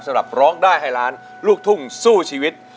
สำหรับร้องได้ให้ร้านลูกตุ้งสู้ชีวิต